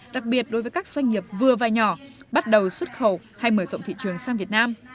đặc biệt đối với các doanh nghiệp vừa và nhỏ bắt đầu xuất khẩu hay mở rộng thị trường sang việt nam